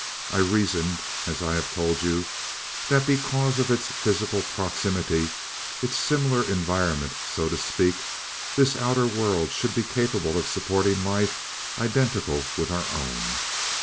I reasoned, as I have told you, that because of its physical proximity, its similar environment, so to speak, this outer world should be capable of supporting life identical with our own.